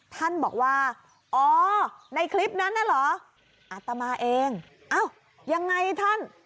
ท่านบอกว่าอ๋อในคลิปนั้นน่ะเหรออัตมาเองอ้าวยังไงท่าน